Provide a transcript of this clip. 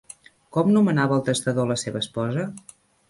Com nomenava el testador a la seva esposa?